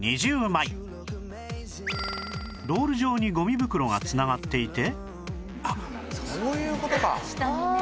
ロール状にゴミ袋が繋がっていて